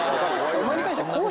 お前に関しては。